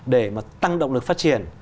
để mà tăng động lực phát triển